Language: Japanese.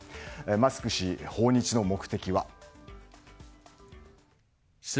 マスク氏訪日の目的は？